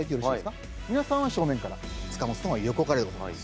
皆さんは正面から塚本さんは横からでございます。